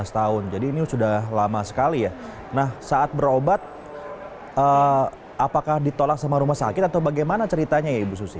lima belas tahun jadi ini sudah lama sekali ya nah saat berobat apakah ditolak sama rumah sakit atau bagaimana ceritanya ya ibu susi